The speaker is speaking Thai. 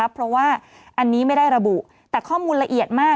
เพราะว่าอันนี้ไม่ได้ระบุแต่ข้อมูลละเอียดมาก